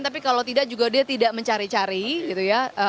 tapi kalau tidak juga dia tidak mencari cari gitu ya